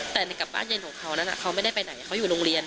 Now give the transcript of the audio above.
แต่กลับบ้านเย็นของเขานั้นเขาไม่ได้ไปไหนเขาอยู่โรงเรียน